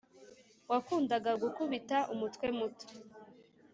wakundaga gukubita umutwe muto,